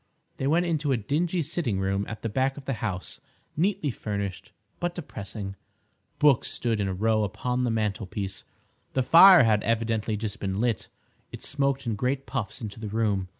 They went into a dingy sitting room at the back of the house, neatly furnished but depressing. Books stood in a row upon the mantelpiece. The fire had evidently just been lit. It smoked in great puffs into the room.